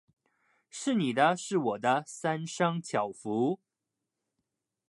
是你的；是我的，三商巧福。